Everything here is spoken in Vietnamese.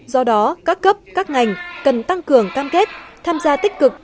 do đó các cấp các ngành cần tăng cường cam kết tham gia tích cực